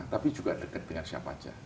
tapi juga dekat dengan siapa saja